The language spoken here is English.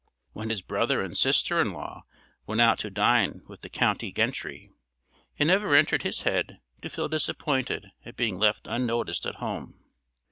When his brother and his sister in law went out to dine with the county gentry, it never entered his head to feel disappointed at being left unnoticed at home.